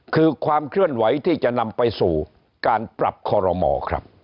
คือความเคลื่อนไหวที่จะนำไปสู่การปรับคอรมอครับ